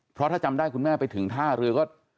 เพราะถ้าจำได้คุณแม่ไปถึงท่าเรือก็